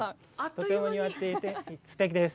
とても似合っていて、すてきです。